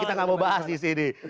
kita gak mau bahas disini